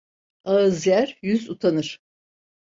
Ağız yer yüz utanır.